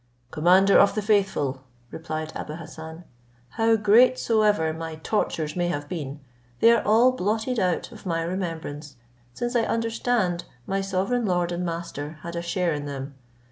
"Commander of the faithful," replied Abou Hassan, "how great soever my tortures may have been, they are all blotted out of my remembrance, since I understand my sovereign lord and master had a share in them.